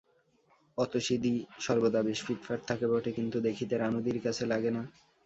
অতসীদি সর্বদা বেশ ফিটফাট থাকে বটে, কিন্তু দেখিতে রানুদির কাছে লাগে না।